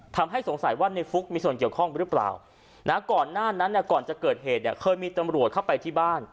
ทำให้สงสัยว่าในฟุ๊กมีส่วนเกี่ยวข้องหรือเปล่านะก่อนหน้านั้นเนี่ยก่อนจะเกิดเหตุเนี่ยเคยมีตำรวจเข้าไปที่บ้าน